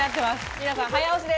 皆さん早押しです。